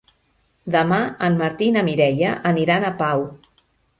Demà en Martí i na Mireia aniran a Pau.